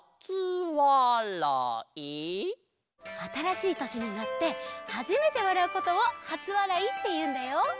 あたらしいとしになってはじめてわらうことをはつわらいっていうんだよ。